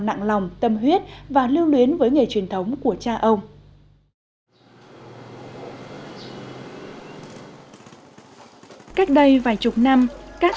nặng lòng tâm huyết và lưu luyến với nghề truyền thống của cha ông cách đây vài chục năm các